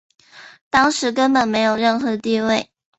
当时根本没有任何地位。